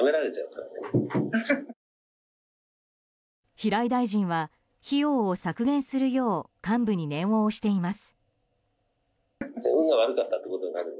平井大臣は費用を削減するよう幹部に念を押しています。